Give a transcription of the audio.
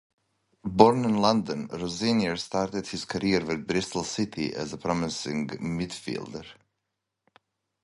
Born in London, Rosenior started his career with Bristol City as a promising midfielder.